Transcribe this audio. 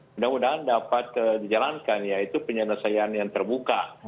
mudah mudahan dapat dijalankan yaitu penyelesaian yang terbuka